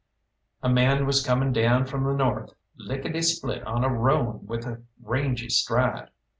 A man was coming down from the north, lickety split on a roan with a rangy stride.